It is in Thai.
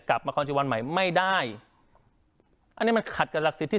กลับมาคลอนชีวันใหม่ไม่ได้อันนี้มันขัดกับหลักศิษย์ที่